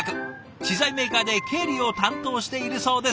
資材メーカーで経理を担当しているそうです。